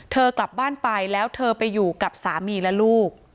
กลับบ้านไปแล้วเธอไปอยู่กับสามีและลูก